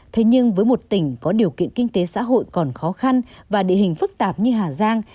thế nhưng với một tỉnh có điều kiện kinh tế xã hội còn khó khăn và địa hình phức tạp như hà giang